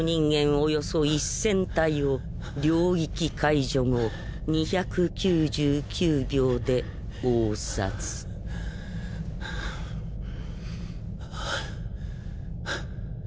およそ１０００体を領域解除後２９９秒で鏖殺はぁはぁはぁ。